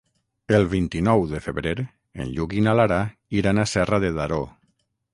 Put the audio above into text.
El vint-i-nou de febrer en Lluc i na Lara iran a Serra de Daró.